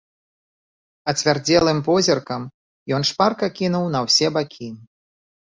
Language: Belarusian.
Ацвярдзелым позіркам ён шпарка кінуў на ўсе бакі.